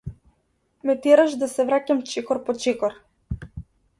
Ме тераш да се враќам чекор по чекор.